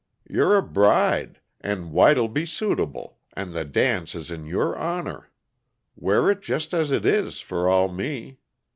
You're a bride, and white'll be suitable, and the dance is in your honor. Wear it just as it is, fer all me.